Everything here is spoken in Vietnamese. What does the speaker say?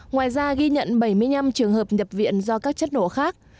ngoài ra ghi nhận bảy mươi năm trường hợp nhập viện do các chất nổ khác